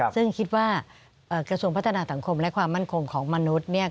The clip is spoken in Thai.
ซึ่งคิดว่ากระทรวงพัฒนาสังคมและความมั่นคงของมนุษย์